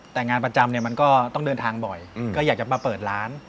แต่งานประจำเนี่ยมันก็ต้องเดินทางบ่อยก็อยากจะมาเปิดร้าน